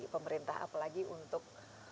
pemerintah apalagi untuk